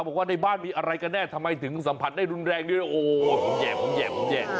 บอกว่าในบ้านมีอะไรกันแน่ทำไมถึงสัมผัสได้รุนแรงด้วยโอ้ผมแย่ผมแย่ผมแย่